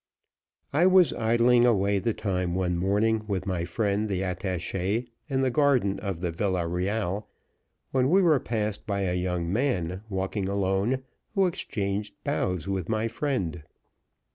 I was idling away the time one morning with my friend the attache in the garden of the Villa Reale, when we were passed by a young man, walking alone, who exchanged bows with my friend.